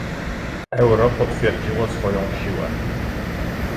Euro potwierdziło swoją siłę